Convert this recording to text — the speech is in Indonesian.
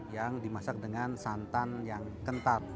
yang dimasak dengan santan yang kental